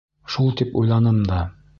— Шул тип уйланым да.